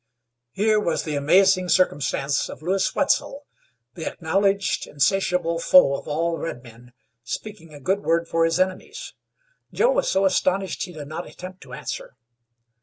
Here was the amazing circumstance of Lewis Wetzel, the acknowledged unsatiable foe of all redmen, speaking a good word for his enemies. Joe was so astonished he did not attempt to answer.